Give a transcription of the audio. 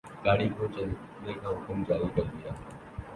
گاڑی کو چلنے کا حکم جاری کر دیا